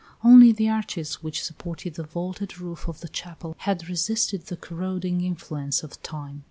Only the arches which supported the vaulted roof of the chapel had resisted the corroding influence of time.